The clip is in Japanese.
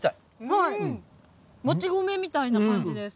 はいもち米みたいな感じです。